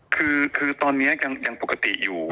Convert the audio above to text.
คือตอนนี้ยังปกติอยู่